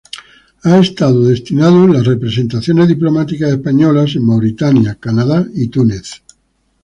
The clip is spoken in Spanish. Ha estado destinado en las representaciones diplomáticas españolas en Mauritania, Canadá y Túnez.